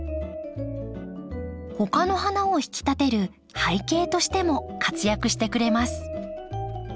ほかの花を引き立てる背景としても活躍してくれます。